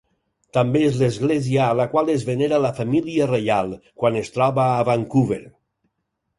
També és l'església a la qual es venera la família reial quan es troba a Vancouver.